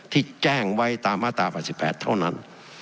ที่แจ้งไว้ตามมาตรา๘๘เท่านั้น